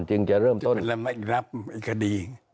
จะเป็นอะไรไม่รับไอ้คดี